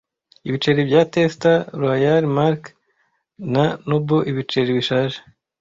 Ibiceri bya Tester, Royal, Mark na Noble Ibiceri bishaje